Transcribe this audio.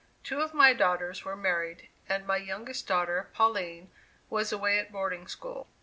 Two of my daughters were married, and my youngest daughter, Pauline, was away at boarding school.